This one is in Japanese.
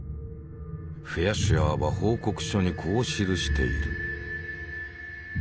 フェアシュアーは報告書にこう記している。